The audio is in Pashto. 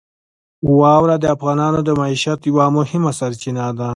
واوره د افغانانو د معیشت یوه مهمه سرچینه ده.